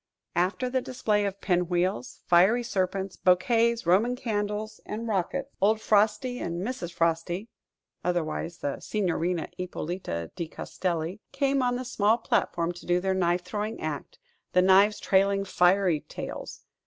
After the display of pin wheels, fiery serpents, bouquets, Roman candles and rockets, old Frosty and Mrs. Frosty (otherwise the Signorina Ippolita di Castelli) came on the small platform to do their knife throwing act, the knives trailing fiery tails.